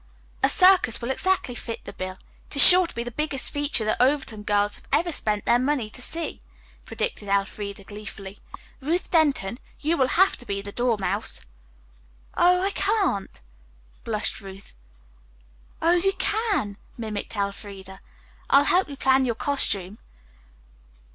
"A circus will exactly fill the bill. It is sure to be the biggest feature the Overton girls have ever spent their money to see," predicted Elfreda gleefully. "Ruth Denton, you will have to be the Dormouse." "Oh, I can't," blushed Ruth. "Oh, you can," mimicked Elfreda. "I'll help you plan your costume."